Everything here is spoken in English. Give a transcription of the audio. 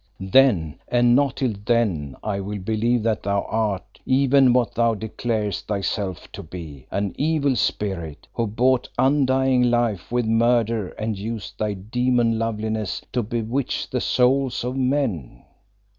"Then, and not till then, will I believe that thou art even what thou declarest thyself to be, an evil spirit, who bought undying life with murder and used thy demon loveliness to bewitch the souls of men."